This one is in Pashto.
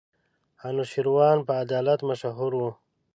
انوشېروان په عدالت مشهور وو.